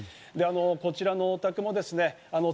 こちらのお宅もですね。